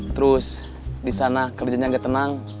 terus di sana kerjanya nggak tenang